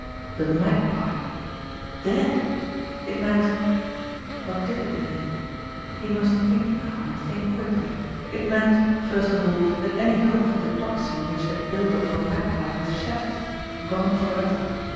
The Magpie dead! It meant what did it mean? He must think now, and think quickly. It meant, first of all, that any hope for the Tocsin which he had built upon the Magpie was shattered, gone forever.